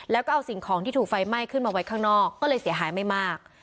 แล้วก็เอาสิ่งของที่ถูกไฟไหม้ขึ้นมาไว้ข้างนอกก็เลยเสียหายไม่มาก